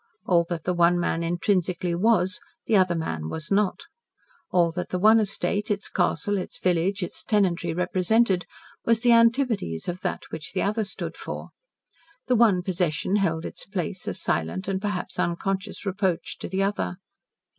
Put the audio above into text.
All that the one man intrinsically was, the other man was not. All that the one estate, its castle, its village, its tenantry, represented, was the antipodes of that which the other stood for. The one possession held its place a silent, and perhaps, unconscious reproach to the other.